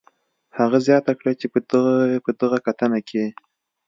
هغه زیاته کړې چې په دغه کتنه کې